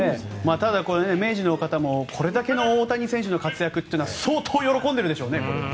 ただ、明治の方もこれだけの大谷選手の活躍は相当喜んでいるでしょうね。